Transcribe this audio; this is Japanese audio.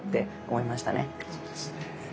そうですね。